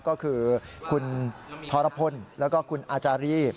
ก็คือคุณธรพลแล้วก็คุณอาจารี